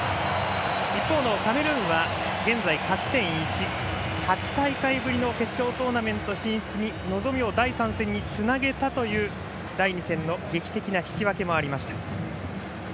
一方のカメルーンは現在勝ち点１、８大会ぶりの決勝トーナメント進出の望みを第３戦につなげたという第２戦の劇的な引き分けもありました。